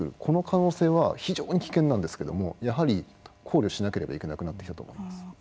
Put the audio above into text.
この可能性は非常に危険なんですけどもやはり考慮しなければいけなくなってきたと思います。